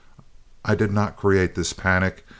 I did not create this panic.